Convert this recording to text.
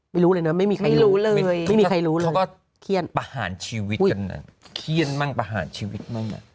ไม่รู้เลยนะไม่มีใครรู้เลยไม่มีใครรู้เลยเขาก็เครียดประหารชีวิตกันเครียดมั่งประหารชีวิตมั่ง